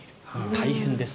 大変です。